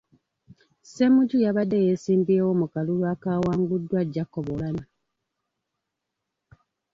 Ssemujju yabadde yeesimbyewo mu kalulu akaawanguddwa Jacob Oulanyah.